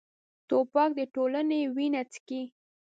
توپک د ټولنې وینه څښي.